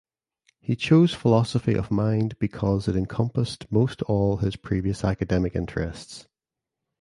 He chose Philosophy of Mind because it encompassed most all his previous academic interests.